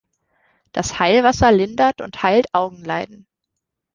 Das Heilwasser lindert und heilt Augenleiden.